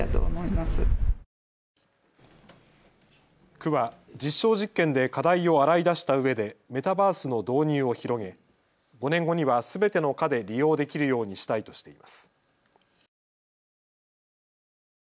区は実証実験で課題を洗い出したうえでメタバースの導入を広げ５年後にはすべての課で利用できるようにしたいとしています。